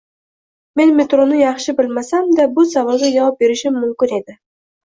Men metroni yaxshi bilmasamda, bu savolga javob berishim mumkin edi.